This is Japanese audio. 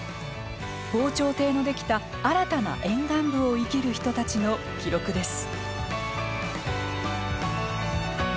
防潮堤の出来た、新たな沿岸部を生きる人たちの記録です。